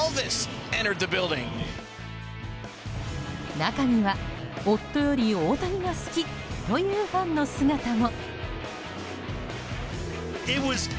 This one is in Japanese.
中には夫より大谷が好きというファンの姿も。